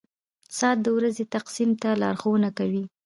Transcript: • ساعت د ورځې تقسیم ته لارښوونه کوي.